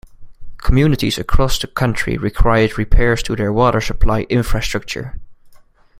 Communities across the country required repairs to their water supply infrastructure.